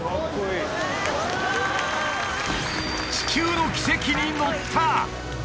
地球の奇跡に乗った！